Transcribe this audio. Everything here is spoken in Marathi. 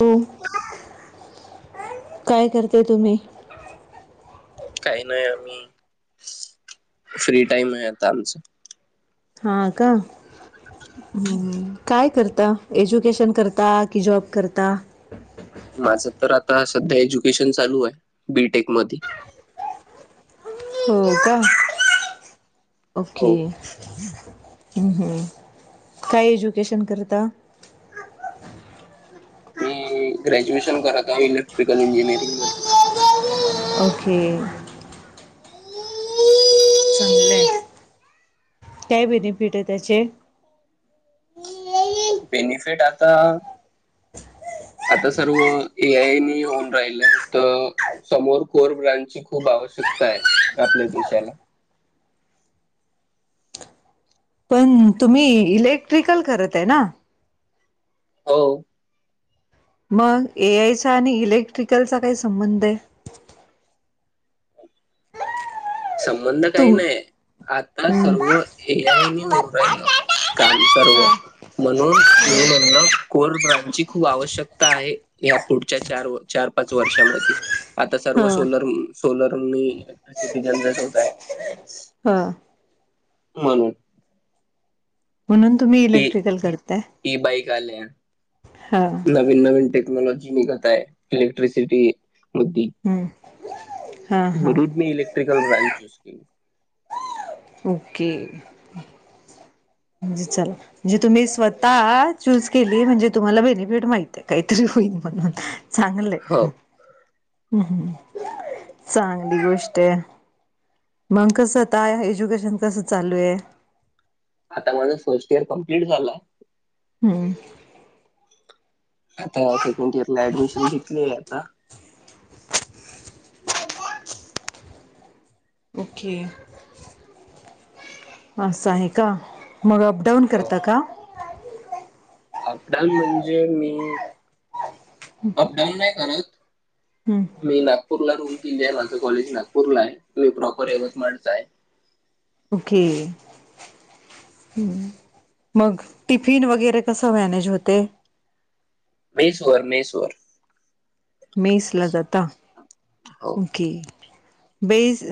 हमं काय करते तुम्ही? काही नाही आम्ही, फ्री टाईम आहे आता आमचं. हा का. हम् काय करता एज्युकेशन करता कि जॉब करता? माझं तर आता सध्या एज्युकेशन चालू आहे बी टेक मधी. हो का ओके. हो हम् हम्म काय एज्युकेशन करता? मी ग्रेज्युएशन करता इलेक्ट्रिकल इंजिनिअरिंग मधी ओखे. चांगल‌ हाय, काय बेनिफिट आहे त्याचे? बेनिफिट आता [inaudible] आता सर्व ए आय नी होऊन राहिलय तर समोर कोर ब्रांडची खूप आवश्यक शकताय आपल्या देशाला प तुम्ही इलेक्ट्रिकल करत आहे ना हो मग ए आय चा आणि इलेक्ट्रिकलचा काही संबंध आहे संबंध काही तुम नाही आता सर्व एआयनी होऊ राहिलं काम सर्व म्हणून मी म्हणल कोर ब्रांचची खूप आवश्यकता आहे या पुढच्या चार चार पाच वर्षामध्ये आता सर्व हा सोलर सोलर जनरेट होताै हा म्हणून म्हणून तुम्ही इ इलेक्ट्रिकल करताय ई बाईक आले हा हम्म नवीन नवीन टेक्नॉलॉजी निघत आहे इलेक्ट्रिसिटी मुद्दी हा हा रेडमी इलेक्ट्रिकल ब्रांड चूज केली ओके म्हणजे चला म्हणजे तुम्ही स्वतः चूज केली म्हणजे तुम्हाला बेनिफिट माहितीे काहीतरी होईन म्हण चांगले हो हम्म् चांगली गोष्ट आहे मग कसंताय एज्युकेशन कसं चालू आहे आता माझं फर्स्ट इयर कमप्लीट झालंय हम्म आता सेकंड इयरला ऍडमिशन घेतली आहे आता ओके अस आहे का मग अपडाऊन करता का अपडाऊन म्हणजे मी अपडाऊन नाही करत मी नागपूरला रुन किल्ली आहे माझं कॉलेज नागपूर ला आहे तुही प्रॉपर यवतमाळचा आहे ओके मग टिफिन वगैरे कस मॅनेज होते मेसवर मेसवर मेस ला जात हो ओके बेस